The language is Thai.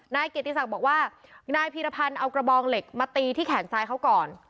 นายเกียรติศักดิ์บอกว่านายพีรพันธ์เอากระบองเหล็กมาตีที่แขนซ้ายเขาก่อน